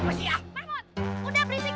mantap nih baru musik